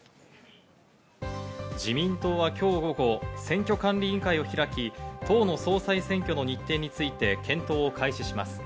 自民党は今日午後、選挙管理委員会を開き、党の総裁選挙の日程について検討を開始します。